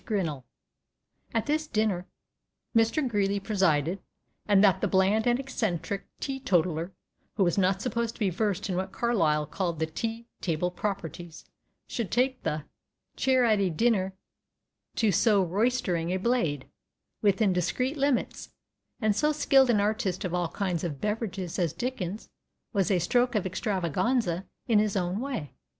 Grinnell. At this dinner Mr. Greeley presided, and that the bland and eccentric teetotaler, who was not supposed to be versed in what Carlyle called the "tea table proprieties," should take the chair at a dinner to so roistering a blade within discreet limits and so skilled an artist of all kinds of beverages as Dickens, was a stroke of extravaganza in his own way.